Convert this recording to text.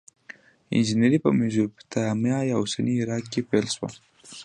انجنیری په میزوپتامیا یا اوسني عراق کې پیل شوه.